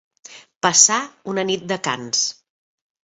Passar una nit de cans.